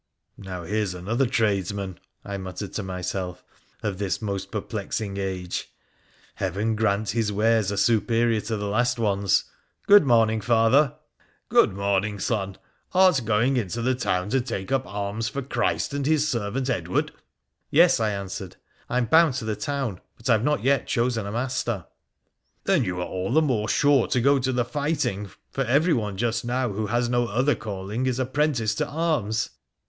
' Now here's another tradesman,' I muttered to myself, ' of this most perplexing age. Heaven grant his wares are superior to the last ones ! Good morning, Father !'' Good morning, Son ! Art going into the town to take up arms for Christ and His servant Edward ?'' Yes,' I answered, ' I am bound to the town, but I have not yet chosen a master.' ' Then you are all the more sure to go to the fighting, for everyone, just now, who has no other calling, is apprentice to arms.'